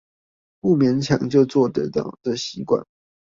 不勉強就做得到的習慣